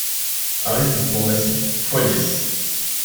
Investissements massifs, fois dix.